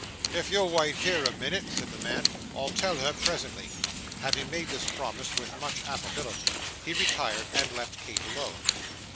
'If you'll wait here a minute,' said the man, 'I'll tell her presently.' Having made this promise with much affability, he retired and left Kate alone.